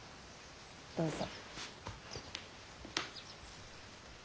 どうぞ。